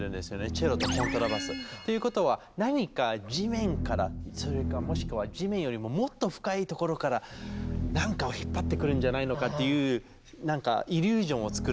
チェロとコントラバス。ということは何か地面からそれかもしくは地面よりももっと深い所からなんかを引っ張ってくるんじゃないのかっていうイリュージョンを作るんですよ